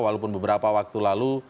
walaupun beberapa waktu lalu